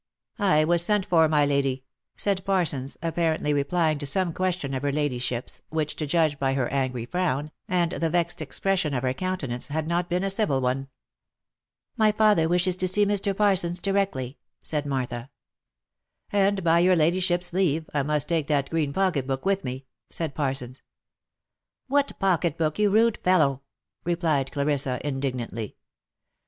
" I was sent for, my lady," said Parsons, apparently replying to some question of her ladyship's, which, to judge by her angry frown, and the vexed expression of her countenance, had not been a civil one. " My father wishes to see Mr. Parsons directly," said Martha. " And by your ladyship's leave I must take that green pocket book with me," said Parsons. " What pocket book, you rude fellow?" replied Lady Clarissa, in dignantly.